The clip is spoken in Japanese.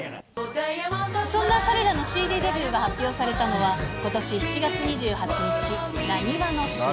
そんな彼らのＣＤデビューが発表されたのは、ことし７月２８日、なにわの日。